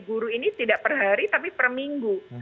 guru ini tidak per hari tapi per minggu